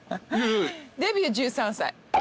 デビュー１３歳。